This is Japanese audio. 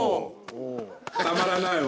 たまらないよ。